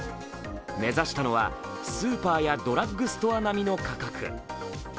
目指したのはスーパーやドラッグストア並みの価格。